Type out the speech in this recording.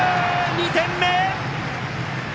２点目！